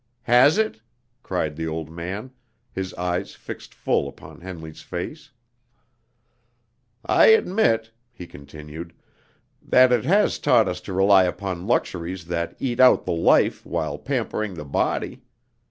"Has it?" cried the old man, his eyes fixed full upon Henley's face. "I admit," he continued, "that it has taught us to rely upon luxuries that eat out the life while pampering the body.